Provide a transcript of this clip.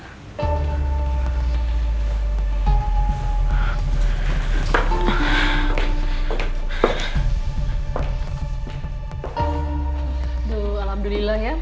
aduh alhamdulillah ya